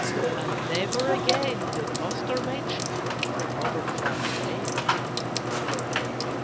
And never again did Buster mention the Robber Fly's name.